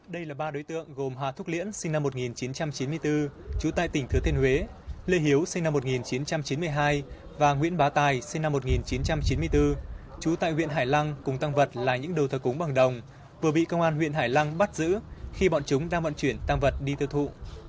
đây là ba đối tượng gồm hà thúc liễn sinh năm một nghìn chín trăm chín mươi bốn trú tại tỉnh thứa thiên huế lê hiếu sinh năm một nghìn chín trăm chín mươi hai và nguyễn bá tài sinh năm một nghìn chín trăm chín mươi bốn trú tại huyện hải lăng cùng tăng vật là những đầu thờ cúng bằng đồng vừa bị công an huyện hải lăng bắt giữ khi bọn chúng đang vận chuyển tăng vật đi tiêu thụ